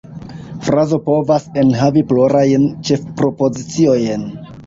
Frazo povas enhavi plurajn ĉefpropoziciojn.